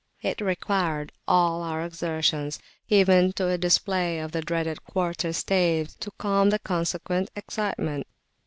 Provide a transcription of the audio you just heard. It required all our exertions, even to a display of the dreaded quarter staves, to calm the consequent excitement.